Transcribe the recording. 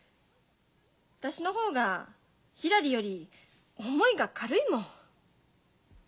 私の方がひらりより思いが軽いもん。